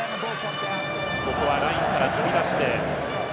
ここはラインから飛び出して。